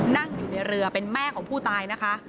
นั่งอยู่ในเรือเป็นแม่ของผู้ตายนะคะ